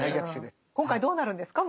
今回どうなるんですか？